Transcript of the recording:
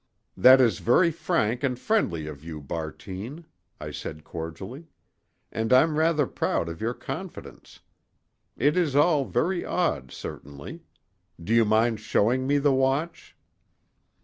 "That is very frank and friendly of you, Bartine," I said cordially, "and I'm rather proud of your confidence. It is all very odd, certainly. Do you mind showing me the watch?"